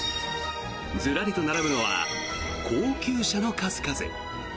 ずらりと並ぶのは高級車の数々。